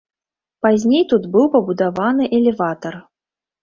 Пазней тут быў пабудаваны элеватар.